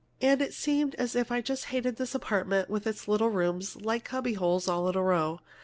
"And it seemed as if I just hated this apartment, with its little rooms, like cubbyholes, all in a row.